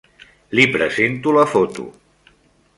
Li presento la foto.